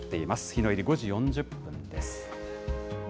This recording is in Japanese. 日の入り５時４０分です。